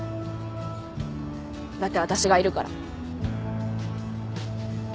だって私がいるから。